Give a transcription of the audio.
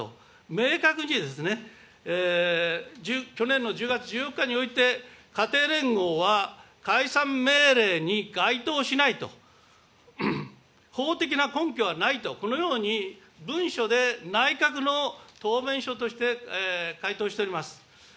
明確に去年の１０月１４日において家庭連合は解散命令に該当しないと、法的な根拠はないと、このように文書で内閣の答弁書として回答しております。